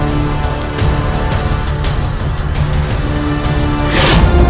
apakah karena itu